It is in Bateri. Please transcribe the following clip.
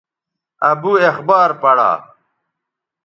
ابو اخبار پڑا